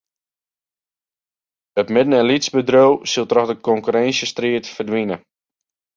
It midden- en lytsbedriuw sil troch de konkurrinsjestriid ferdwine.